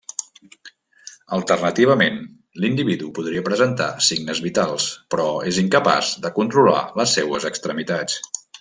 Alternativament, l'individu podria presentar signes vitals, però és incapaç de controlar les seues extremitats.